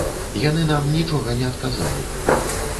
Яны нам нічога не адказалі.